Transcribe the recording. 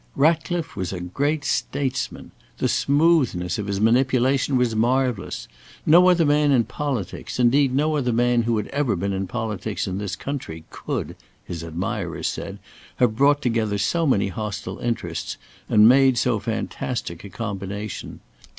Ratcliffe was a great statesman. The smoothness of his manipulation was marvellous. No other man in politics, indeed no other man who had ever been in politics in this country, could his admirers said have brought together so many hostile interests and made so fantastic a combination.